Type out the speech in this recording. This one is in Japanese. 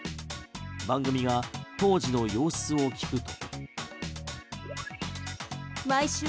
番組が当時の様子を聞くと。